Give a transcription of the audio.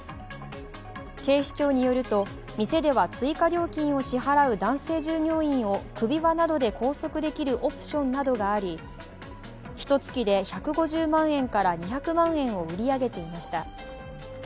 警視庁によると、店では追加料金を支払うと男性従業員を首輪などで拘束できるオプションがありひと月で１５０万円から２００万円を売り上げていました。